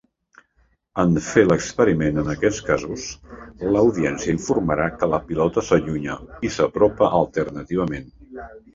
En fer l'experiment en aquests casos, l'audiència informarà que la pilota s'allunya i s'apropa alternativament.